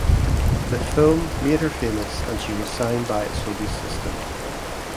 The film made her famous and she was signed by Asobi System.